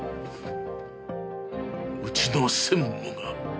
うちの専務が？